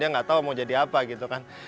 dia nggak tahu mau jadi apa gitu kan